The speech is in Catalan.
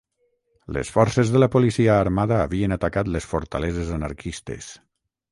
Les forces de la policia armada havien atacat les fortaleses anarquistes